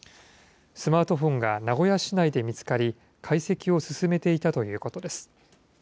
スマートフォンが名古屋市内で見つかり、解析を進めていたということです。